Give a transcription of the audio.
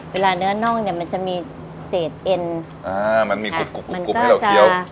เวลาเนื้อน่องเนี่ยมันจะมีเศษเอ็นมันมีกรุบให้เราเคี้ยว